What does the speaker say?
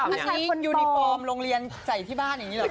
อันนี้ยูนิฟอร์มโรงเรียนใส่ที่บ้านอย่างนี้เหรอ